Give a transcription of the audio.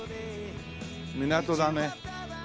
港だね。